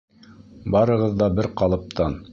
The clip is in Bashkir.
Барығыҙ ҙа бер ҡалыптан.